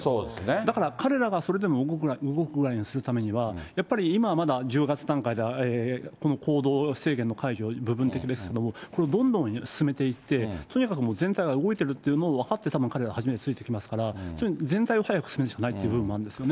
だから、彼らがそれでも動くくらいにするためには、やっぱり今はまだ、１０月段階でこの行動制限の解除、部分的ですけれども、これをどんどん進めていって、とにかくもう全体が動いてるというのが分かって、たぶん彼らが初めてついてきますから、全体を早く進めるしかないという部分はあるんですよね。